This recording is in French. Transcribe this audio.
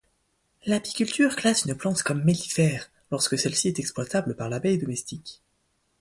L'apiculture classe une plante comme mellifère lorsque celle-ci est exploitable par l'abeille domestique.